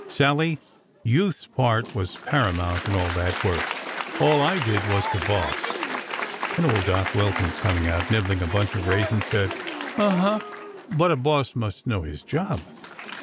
"Sally, Youth's part was paramount in all that work. All I did was to boss;" and Old Doc Wilkins, coming out, nibbling a bunch of raisins, said: "Uh huh; but a boss must know his job!"